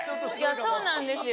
そうなんですよ。